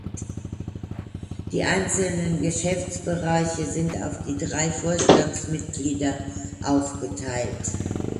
Die einzelnen Geschäftsbereiche sind auf die drei Vorstandsmitglieder aufgeteilt.